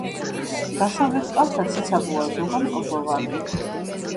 დასავლეთ კალთა ციცაბოა, ზოგან კლდოვანი.